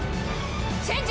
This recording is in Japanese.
チェンジ！